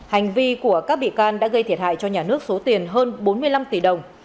hành vi của các bị can đã gây thiệt hại cho nhà nước số tiền hơn bốn mươi năm tỷ đồng